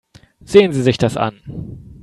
Sehen Sie sich das an.